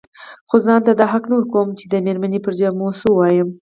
خو ځان ته دا حق نه ورکوم چې د مېرمنې پر جامو څه ووايم.